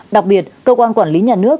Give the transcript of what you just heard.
đặc biệt cơ quan quản lý nhà nước